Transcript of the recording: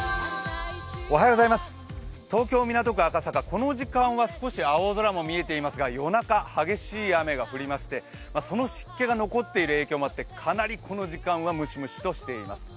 この時間は少し青空も見えていますが夜中、激しい雨が降りましてその湿気が残っている影響もあって、かなりこの時間はムシムシとしています。